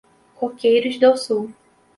Coqueiros do Sul